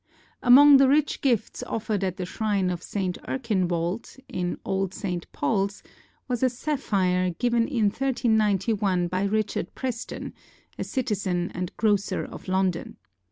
Among the rich gifts offered at the shrine of St. Erkinwald, in Old Saint Paul's, was a sapphire given in 1391 by Richard Preston, "a citizen and grocer of London."